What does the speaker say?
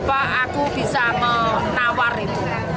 aku bisa menawar itu